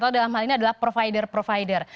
dalam hal ini adalah provider provider